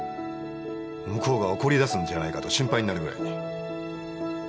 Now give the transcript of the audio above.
向こうが怒りだすんじゃないかと心配になるぐらいに。